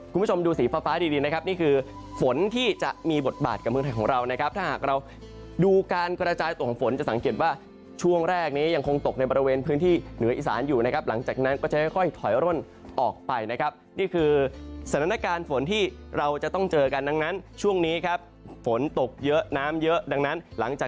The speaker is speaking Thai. คุณผู้ชมดูสีฟ้าฟ้าดีนะครับนี่คือฝนที่จะมีบทบาทกับเมืองไทยของเรานะครับถ้าหากเราดูการกระจายตัวของฝนจะสังเกตว่าช่วงแรกนี้ยังคงตกในบริเวณพื้นที่เหนืออีสานอยู่นะครับหลังจากนั้นก็จะค่อยถอยร่นออกไปนะครับนี่คือสถานการณ์ฝนที่เราจะต้องเจอกันดังนั้นช่วงนี้ครับฝนตกเยอะน้ำเยอะดังนั้นหลังจาก